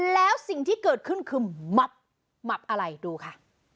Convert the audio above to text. แล้วสิ่งที่เกิดขึ้นคือมับหมับอะไรดูค่ะ